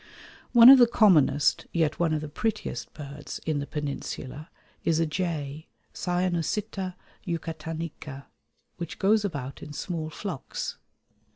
One of the commonest yet one of the prettiest birds in the Peninsula is a jay (Cyanocitta yucatanica) which goes about in small flocks.